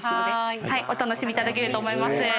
お楽しみいただけると思います。